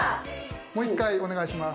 もう一回お願いします。